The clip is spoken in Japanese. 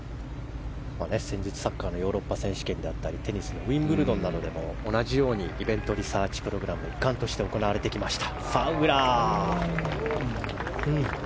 先日、サッカーのヨーロッパ選手権だったりテニスのウィンブルドンなどでも同じようにイベントリサーチプログラムの一環として行われてきました。